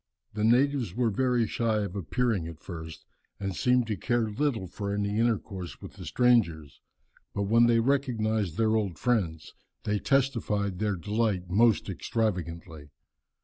The natives were very shy of appearing at first, and seemed to care little for any intercourse with the strangers; but when they recognized their old friends, they testified their delight most extravagantly.